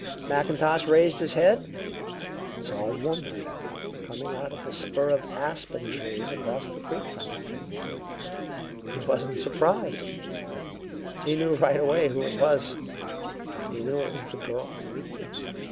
Mackintosh raised his head and saw a woman coming out of the spur of aspen trees across the creek from him. He wasn't surprised; he knew right away who it was; he knew it was the girl.